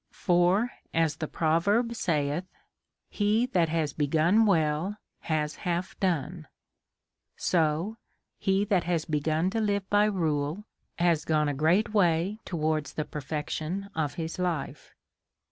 For, as the proverb saith. He that hath begun zfoell, has half done ; so he that has begun to live by rule, has gone a great way towards the perfection of his own life.